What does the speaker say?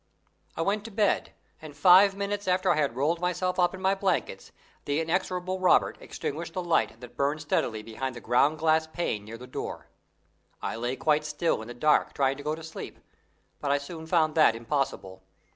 I went to bed, and five minutes after I had rolled myself up in my blankets the inexorable Robert extinguished the light that burned steadily behind the ground glass pane near the door. I lay quite still in the dark trying to go to sleep, but I soon found that impossible.